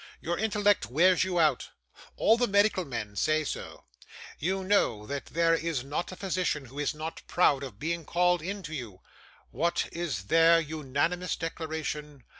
'Your intellect wears you out; all the medical men say so; you know that there is not a physician who is not proud of being called in to you. What is their unanimous declaration?